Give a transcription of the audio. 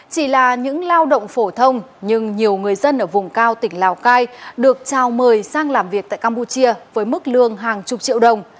chỉ là những lao động phổ thông nhưng nhiều người dân ở vùng cao tỉnh lào cai được trao mời sang làm việc tại campuchia với mức lương hàng chục triệu đồng